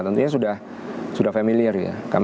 tentunya sudah familiar ya